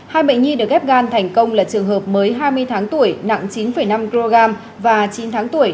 hai bệnh nhi được ghép gan thành công là trường hợp mới hai mươi tháng tuổi nặng chín năm kg và chín tháng tuổi